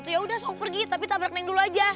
ya udah so pergi tapi tabrak neng dulu aja